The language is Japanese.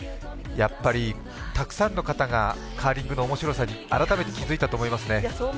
たくさんの方がカーリングの面白さに改めて気づいたと思いますね。